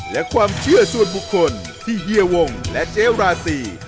และความเชื่อส่วนบุคคลที่เฮียวงและเจ๊ราตรี